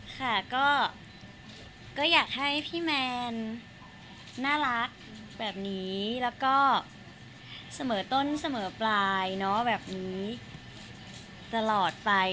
ค่ะก็อยากให้พี่แมนน่ารักแบบนี้แล้วก็เสมอต้นเสมอปลายแบบนี้ตลอดไป